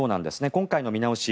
今回の見直し